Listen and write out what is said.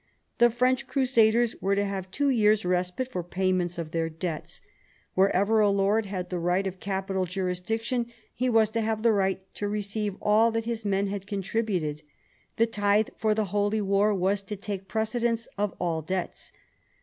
The French crusaders were to have two years' respite for payment of their debts. Wherever 46 PHILIP AUGUSTUS chap. a lord had the right of capital jurisdiction he was to have the right to receive all that his men had contributed. The tithe for the Holy War was to take precedence of all debts.